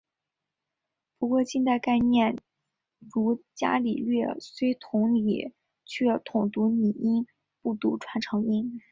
不过近代概念如伽利略虽同理却统读拟音不读传承音。